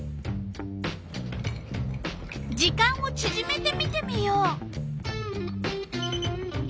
時間をちぢめて見てみよう。